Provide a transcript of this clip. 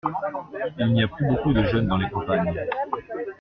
Il n’y a plus beaucoup de jeunes dans les campagnes.